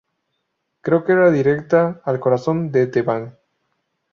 Creo que era directa al corazón de The Band.